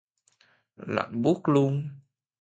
Lạnh buốt luôn